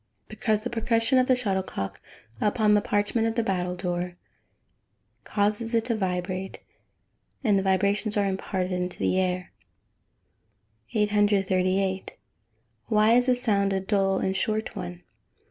_ Because the percussion of the shuttlecock upon the parchment of the battledore causes it to vibrate, and the vibrations are imparted to the air. 838. _Why is the sound a dull and short one?